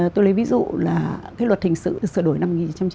tôi lấy ví dụ là cái luật hình sự được sửa đổi năm một nghìn chín trăm chín mươi chín